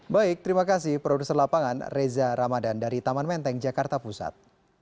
baik terima kasih produser lapangan reza ramadan dari taman menteng jakarta pusat